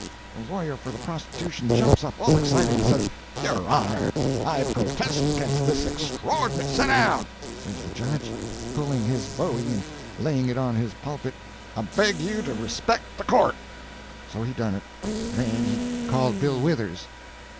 The lawyer for the prostitution jumps up all excited, and says: "Your honor! I protest against this extraordi—" [Illustration: "Set down!" says the judge.] "Set down!" says the judge, pulling his bowie and laying it on his pulpit. "I beg you to respect the Court." So he done it. Then he called Bill Withers.